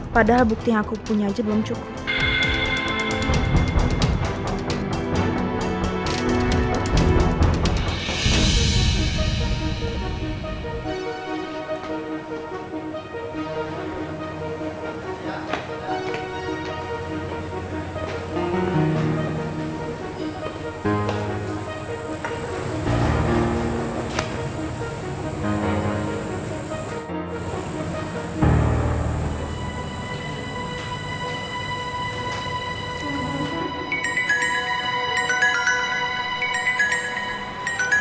padahal bukti yang aku punya aja belum cukup